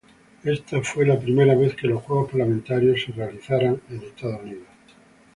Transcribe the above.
Esta fue la primera vez que los Juegos Panamericanos se realizaban en Estados Unidos.